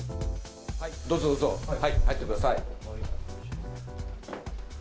どうぞ、どうぞ、入ってください。